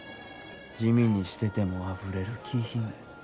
地味にしててもあふれる気品。